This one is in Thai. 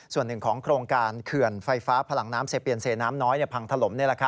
ส่วนหนึ่งของโครงการเขื่อนไฟฟ้าพลังน้ำเซเปียนเซน้ำน้อยพังถล่ม